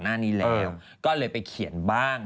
หน้านี้แล้วก็เลยไปเขียนบ้าง